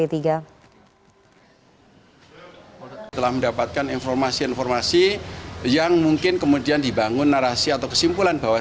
telah mendapatkan informasi informasi yang mungkin kemudian dibangun narasi atau kesimpulan bahwa